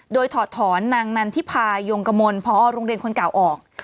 โดยถอดถอนนางนันทิพายงกมลพอโรงเรียนคนเก่าออก